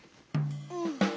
うん。